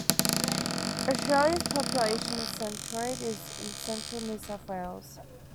Australia's population centroid is in central New South Wales.